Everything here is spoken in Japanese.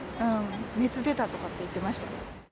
熱出たとかって言ってました。